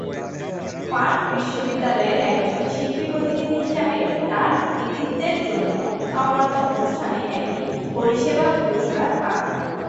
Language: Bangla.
পার্ক বিশ্ববিদ্যালয়ের একজন শিল্পী প্রতিনিধি হিসাবে তার কৃতিত্বের জন্য সমাবর্তন অনুষ্ঠানে একটি পরিষেবা পুরস্কার পান।